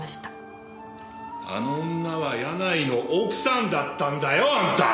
あの女は柳井の奥さんだったんだよあんた！